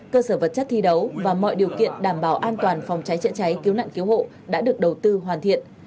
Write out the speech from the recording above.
cơ sở vật chất thi đấu và mọi điều kiện đảm bảo an toàn phòng cháy chữa cháy cứu nạn cứu hộ đã được đầu tư hoàn thiện